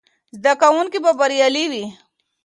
زده کوونکي به بریالي وي.